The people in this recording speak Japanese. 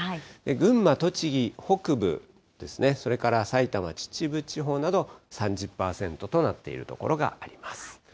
群馬、栃木、北部ですね、それから埼玉・秩父地方など、３０％となっている所があります。